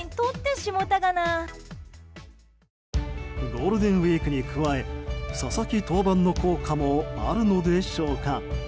ゴールデンウィークに加え佐々木登板の効果もあるのでしょうか。